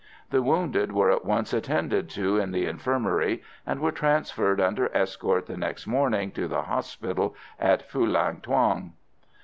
The wounded were at once attended to in the infirmary, and were transferred under escort the next morning to the hospital at Phulang Thuong.